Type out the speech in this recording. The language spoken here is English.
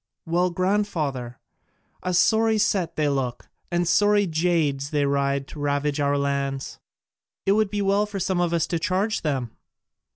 "Well, grandfather, a sorry set they look, and sorry jades they ride to ravage our lands! It would be well for some of us to charge them!"